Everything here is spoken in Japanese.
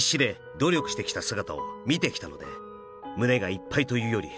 「努力して来た姿を見てきたので胸がいっぱいというより」